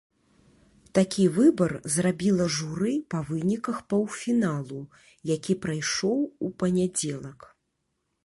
Такі выбар зрабіла журы па выніках паўфіналу, які прайшоў у панядзелак.